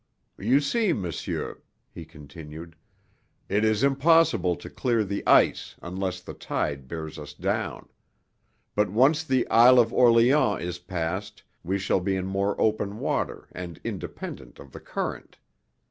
"You see, monsieur," he continued, "it is impossible to clear the ice unless the tide bears us down; but once the Isle of Orleans is past we shall be in more open water and independent of the current.